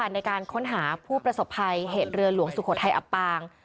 ในการค้นหาผู้ประสบภัยเหตุเรือหลวงสุโขทัยอับปาง